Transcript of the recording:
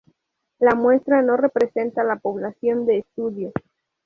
La muestra no representa la población de estudio.